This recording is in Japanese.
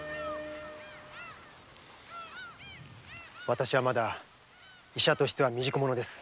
わたしはまだ医者としては未熟者です。